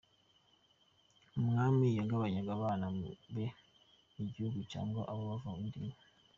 Umwami yagabanyaga abana be igihugu cyangwa abo bava inda imwe.